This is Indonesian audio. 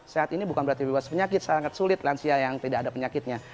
sehat ini bukan berarti bebas penyakit sangat sulit lansia yang tidak ada penyakitnya